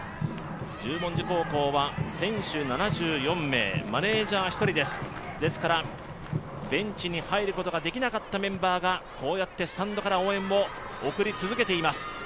十文字高校は選手７４名マネージャー１人ですですからベンチに入ることができなかったメンバーがこうやってスタンドから応援を送り続けています。